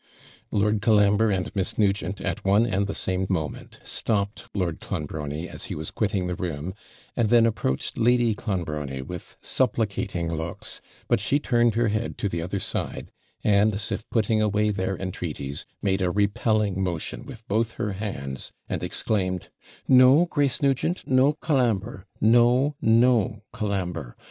Lord Colambre and Miss Nugent, at one and the same moment, stopped Lord Clonbrony as he was quitting the room, and then approached Lady Clonbrony with supplicating looks; but she turned her head to the other side, and, as if putting away their entreaties, made a repelling motion with both her hands, and exclaimed, 'No, Grace Nugent! no, Colambre no no, Colambre!